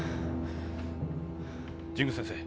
神宮先生